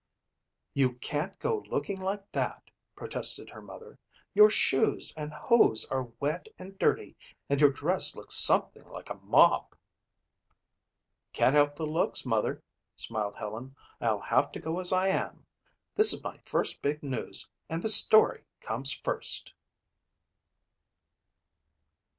"You can't go looking like that," protested her mother. "Your shoes and hose are wet and dirty and your dress looks something like a mop." "Can't help the looks, mother," smiled Helen. "I'll have to go as I am. This is my first big news and the story comes first."